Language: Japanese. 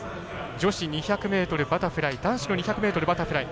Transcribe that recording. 女子２００ｍバタフライ男子２００ｍバタフライ。